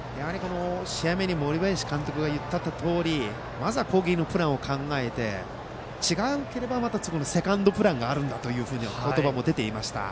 試合前に森林監督が言ったとおりまずは攻撃のプランを考えて違ったらセカンドプランがあるんだという言葉も出ていました。